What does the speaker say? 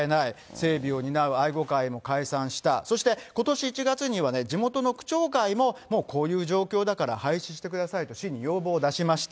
整備を担う愛護会も解散した、そして、ことし１月には地元の区長会も、もうこういう状況だから廃止してくださいと市に要望を出しました。